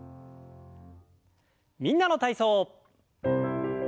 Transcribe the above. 「みんなの体操」。